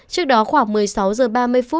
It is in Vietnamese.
trước đó khoảng một mươi sáu h ba mươi